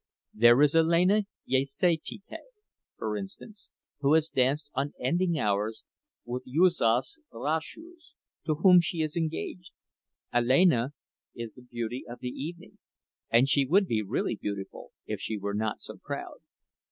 There is Alena Jasaityte, for instance, who has danced unending hours with Juozas Raczius, to whom she is engaged. Alena is the beauty of the evening, and she would be really beautiful if she were not so proud.